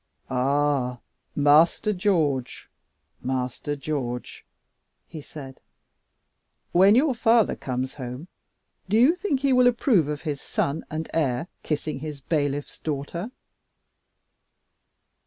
"Ah, Master George, Master George!" he said. "When your father comes home, do you think he will approve of his son and heir kissing his bailiff's daughter?"